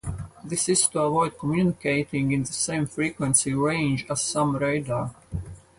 This is to avoid communicating in the same frequency range as some radar.